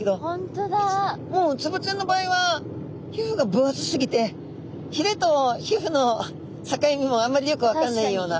もうウツボちゃんの場合は皮膚が分厚すぎてひれと皮膚の境目もあんまりよく分かんないような。